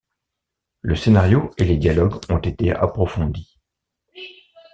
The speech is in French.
Le scénario et les dialogues ont été approfondis.